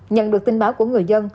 nhận được tin báo của người dân